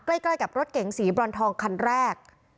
ใกล้กับรถเก๋งสีบรอนทองคันแรก